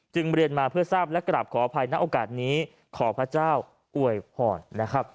เรียนมาเพื่อทราบและกลับขออภัยณโอกาสนี้ขอพระเจ้าอวยพรนะครับ